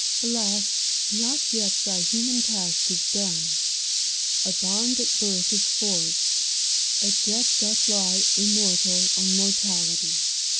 Alas, not yet thy human task is done! A bond at birth is forged; a debt doth lie Immortal on mortality.